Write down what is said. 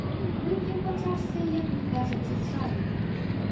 Вып'ем па чарцы, як вы кажаце, чаю.